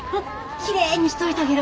きれいにしといたげる。